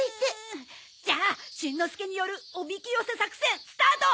じゃあしんのすけによるおびき寄せ作戦スタート！